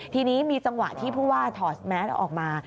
ทีนี้มีจังหวะที่ผู้ว่าถอดแมสออกมา